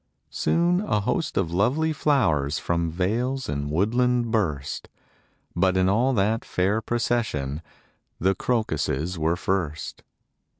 Soon a host of lovely flowers From vales and woodland burst; But in all that fair procession The crocuses were first.